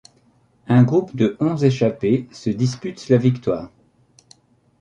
Un groupe de onze échappées se dispute la victoire.